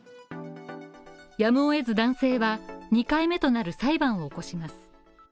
やむを得ず男性は２回目となる裁判を起こします。